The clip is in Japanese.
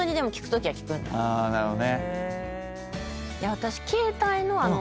私。